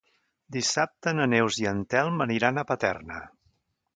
Dissabte na Neus i en Telm aniran a Paterna.